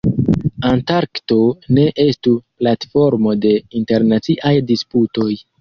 Antarkto ne estu platformo de internaciaj disputoj.